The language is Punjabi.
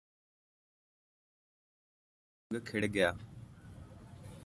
ਉਸ ਦਾ ਮਨ ਫੁੱਲ ਵਾਂਗ ਖਿੜ ਗਿਆ